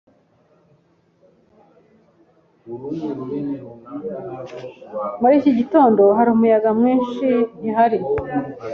Muri iki gitondo hari umuyaga mwinshi, ntihari?